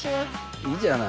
いいじゃない。